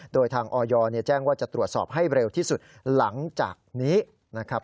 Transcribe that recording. โดยทางออยแจ้งว่าจะตรวจสอบให้เร็วที่สุดหลังจากนี้นะครับ